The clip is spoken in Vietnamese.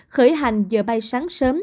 khởi hành giờ bay sáng sớm